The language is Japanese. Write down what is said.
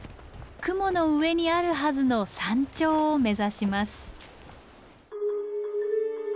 雲の上にあるはずの山頂を目指します。